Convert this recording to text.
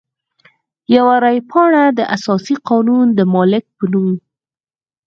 یوه رای پاڼه د اساسي قانون د مالک په نوم.